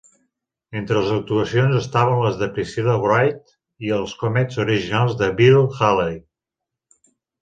Entre les actuacions estaven les de Priscilla Wright i els Comets originals de Bill Haley.